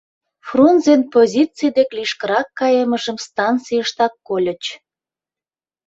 Фрунзен позиций дек лишкырак кайымыжым станцийыштак кольыч.